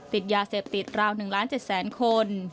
ติดยาเสพติดราว๑ล้าน๗แสนคน